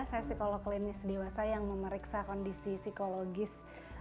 saya psikolog klinis dewasa yang memeriksa kondisi psikologis